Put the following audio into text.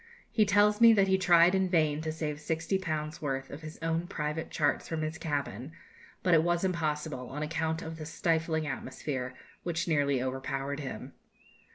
He tells me that he tried in vain to save sixty pounds' worth of his own private charts from his cabin, but it was impossible, on account of the stifling atmosphere, which nearly overpowered him.